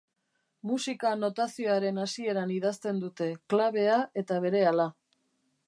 Musika-notazioaren hasieran idazten dute, klabea eta berehala.